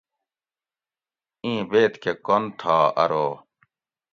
ایں بیت کہۤ کن تھا ارو